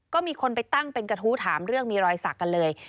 ก็มีคนไปตั้งเป็นกระทู้ถามเรื่องมีรอยสักกันเลย